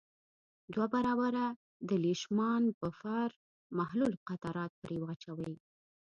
دوه برابره د لیشمان بفر محلول قطرات پرې واچوئ.